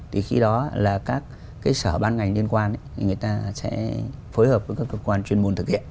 thì khi đó là các cái sở ban ngành liên quan người ta sẽ phối hợp với các cơ quan chuyên môn thực hiện